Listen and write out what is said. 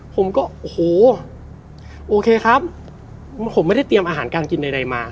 ผมก็โอ้โหโอเคครับผมไม่ได้เตรียมอาหารการกินใดมา